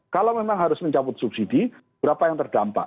kalau memang harus mencabut subsidi berapa yang terdampak